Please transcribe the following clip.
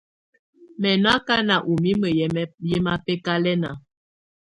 Mɛ̀ nɔ̀ akana ù mimǝ yɛ̀ mabɛkalɛna.